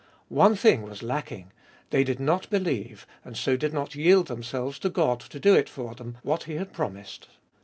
One thing was lacking ; they did not believe, and so did not yield themselves to God to do it for them what He had pro mised.